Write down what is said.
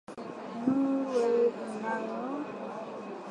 Nournews inayoonekana kuwa karibu na baraza kuu la usalama la taifa la nchi hiyo